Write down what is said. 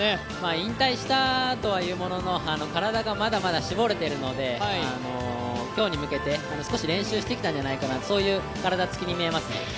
引退したとはいうものの、体がまだまだ絞れているので今日に向けて少し練習してきたんじゃないかなという体つきにみえますね。